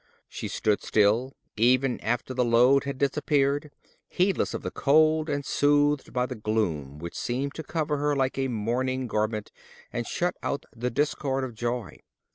She stood still even after the load had disappeared, heedless of the cold, and soothed by the gloom which seemed to cover her like a mourning garment and shut out the discord of joy.